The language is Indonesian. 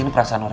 aku mau ngerti